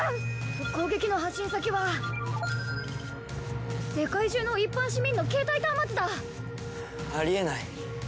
攻撃の発信先は世界中の一般市民のケータイ端末だ！ありえない。